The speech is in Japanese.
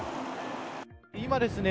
今ですね。